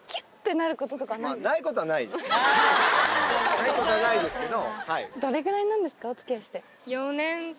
ないことはないですけど。